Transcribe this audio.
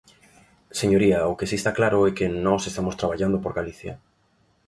Señoría, o que si está claro é que nós estamos traballando por Galicia.